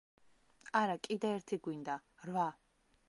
არა, კიდე ერთი გვინდა: რვა.